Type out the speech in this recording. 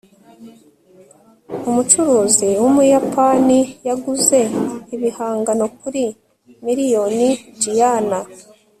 umucuruzi wumuyapani yaguze ibihangano kuri miliyoni jiana